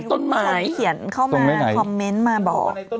ต้นไม้เขียนเข้ามาคอมเมนต์มาบอก